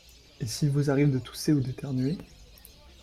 Et s’il vous arrive de tousser ou d’éternuer?